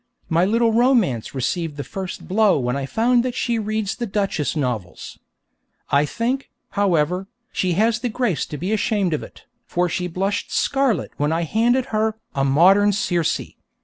My little romance received the first blow when I found that she reads the Duchess novels. I think, however, she has the grace to be ashamed of it, for she blushed scarlet when I handed her 'A Modern Circe.'